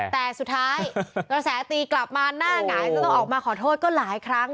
แต่สุดท้ายกระแสตีกลับมาหน้าหงายจะต้องออกมาขอโทษก็หลายครั้ง